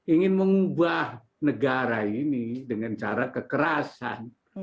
ingin mengubah negara ini dengan cara kekerasan